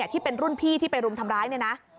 ที่เป็นรุ่นพี่ที่ไปรุมทำร้ายเนี่ยนะ